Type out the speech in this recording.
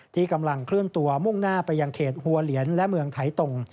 ที่กำลังเคลื่อนตัวมุ่งหน้าไปยังเขตหัวเหลียนและเมืองไถตรง